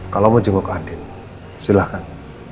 kalau mau jenguk adik silahkan